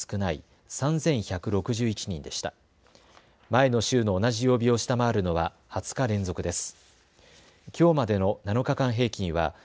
前の週の同じ曜日を下回るのは２０日連続です。